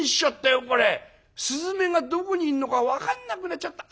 雀がどこにいんのか分かんなくなっちゃった。